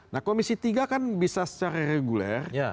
nah komisi tiga kan bisa secara reguler